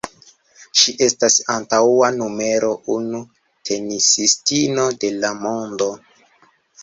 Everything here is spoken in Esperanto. Ŝi estas antaŭa numero unu tenisistino de la mondo.